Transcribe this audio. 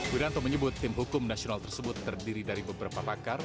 wiranto menyebut tim hukum nasional tersebut terdiri dari beberapa pakar